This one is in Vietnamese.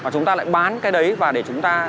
chúng ta lại bán cái đấy và để chúng ta